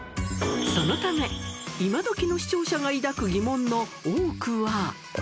そのため、今どきの視聴者が抱く疑問の多くは。